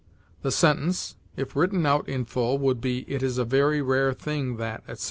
The sentence, if written out in full, would be, "It is a very rare thing that," etc.